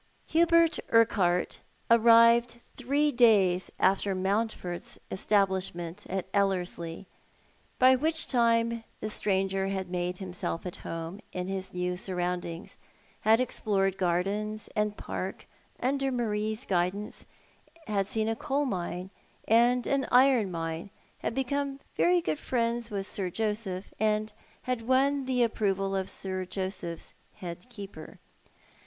Hubert Urquhart arrived three days after Mountford's estab lishment at Elkrslie, by which time the stranger had made himself at home in his new surroundings, had explored gardens and park under Marie's guidance, had seen a coal mine and an iron mine, had become very good friends with Sir Joseph, and had won the approval of Sir Joseph's head keeper.